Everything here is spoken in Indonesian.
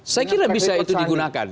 saya kira bisa itu digunakan